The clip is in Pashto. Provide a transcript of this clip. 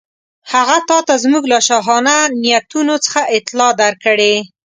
هغه تاته زموږ له شاهانه نیتونو څخه اطلاع درکړې.